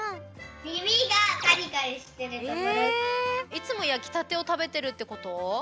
いつもやきたてをたべてるってこと？